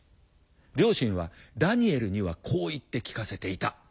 両親はダニエルにはこう言って聞かせていた。